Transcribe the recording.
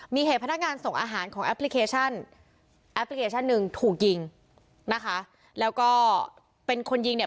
มีเหตุพนักงานส่งอาหารของแอปพลิเคชันแอปพลิเคชันหนึ่งถูกยิงนะคะแล้วก็เป็นคนยิงเนี่ย